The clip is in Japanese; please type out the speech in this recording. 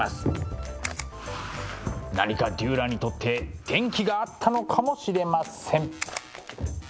何かデューラーにとって転機があったのかもしれません。